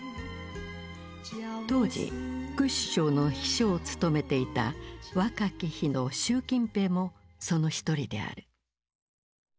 当時副首相の秘書を務めていた若き日の習近平もそのひとりである。